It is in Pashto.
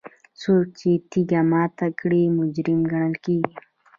څوک چې تیږه ماته کړي مجرم ګڼل کیږي.